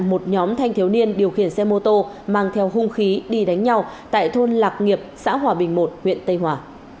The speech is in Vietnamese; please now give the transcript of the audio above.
một nhóm thanh thiếu niên điều khiển xe mô tô mang theo hung khí đi đánh nhau tại thôn lạc nghiệp xã hòa bình một huyện tây hòa